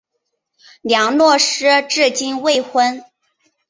梁洛施至今未婚。